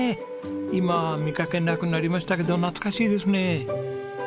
今は見かけなくなりましたけど懐かしいですね。